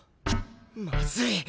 まずい。